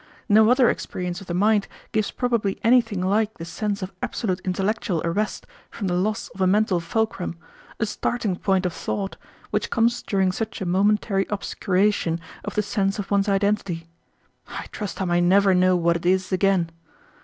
No other experience of the mind gives probably anything like the sense of absolute intellectual arrest from the loss of a mental fulcrum, a starting point of thought, which comes during such a momentary obscuration of the sense of one's identity. I trust I may never know what it is again.